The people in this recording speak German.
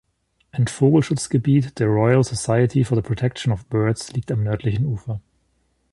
Ein Vogelschutzgebiet der Royal Society for the Protection of Birds liegt am nördlichen Ufer.